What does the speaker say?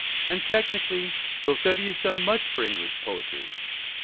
And, technically, Rossetti has done much for English poetry.